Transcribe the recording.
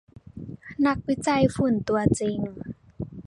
นักวิจัยฝุ่นตัวจริง